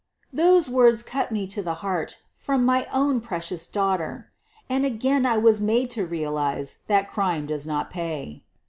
Those words cut me to the heart — from my own )recious daughter. And again I was made to real ze that crime does not pay